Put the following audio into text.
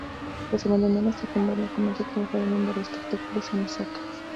Tras abandonar la secundaria, comenzó a trabajar en un bar de espectáculos en Osaka.